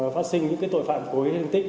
phát sinh những tội phạm cối hình tích